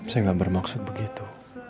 saya gak bermaksud begitu